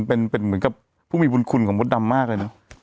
เป็นผู้บุญคุณของมดดำมากเลยเนาะ